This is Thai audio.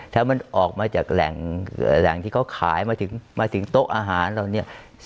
ถ้ามันออกมาจากแหล่งที่เขาขายมาถึงโต๊ะอาหารเหล่านี้